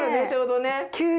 ちょうどね。